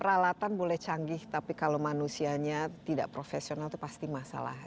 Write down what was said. peralatan boleh canggih tapi kalau manusianya tidak profesional itu pasti masalah